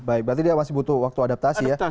baik berarti dia masih butuh waktu adaptasi ya